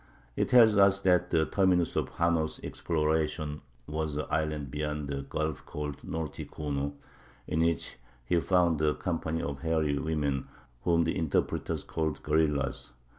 It tells us that the terminus of Hanno's exploration was an island beyond a gulf called Noti Cornu, in which he found a company of hairy women, whom the interpreters called gorillas.